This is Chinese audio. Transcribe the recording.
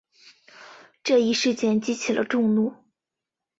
这一事件激起了众怒。